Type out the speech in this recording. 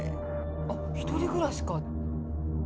あっ１人暮らしか。